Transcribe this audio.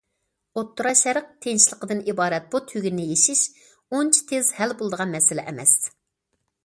ئوتتۇرا شەرق تىنچلىقىدىن ئىبارەت بۇ تۈگۈننى يېشىش ئۇنچە تېز ھەل بولىدىغان مەسىلە ئەمەس.